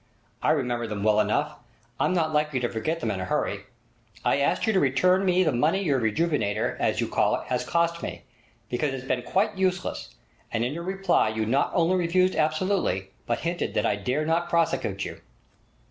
'I remember them well enough! I'm not likely to forget them in a hurry. I asked you to return me the money your "Rejuvenator", as you call it, has cost me, because it's been quite useless, and in your reply you not only refused absolutely, but hinted that I dare not prosecute you.'